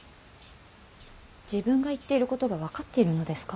自分が言っていることが分かっているのですか。